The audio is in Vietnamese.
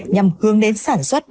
nhằm hướng đến sản xuất